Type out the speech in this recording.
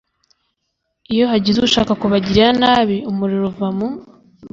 Iyo hagize ushaka kubagirira nabi umuriro uva mu